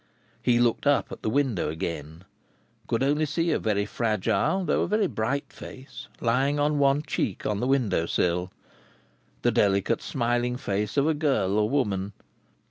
He looked up at the window again. Could only see a very fragile though a very bright face, lying on one cheek on the window sill. The delicate smiling face of a girl or woman.